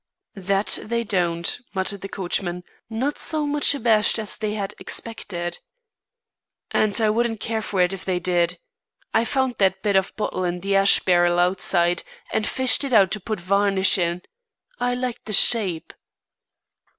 "That they don't," muttered the coachman, not so much abashed as they had expected. "And I wouldn't care for it if they did. I found that bit of bottle in the ash barrel outside, and fished it out to put varnish in. I liked the shape."